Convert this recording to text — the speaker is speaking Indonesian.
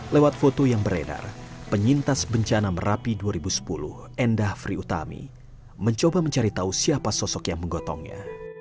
lewat foto yang beredar penyintas bencana merapi dua ribu sepuluh endah friutami mencoba mencari tahu siapa sosok yang menggotongnya